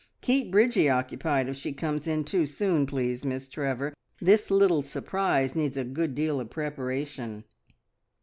Keep Bridgie occupied if she comes in too soon, please, Miss Trevor. This little surprise needs a good deal of preparation."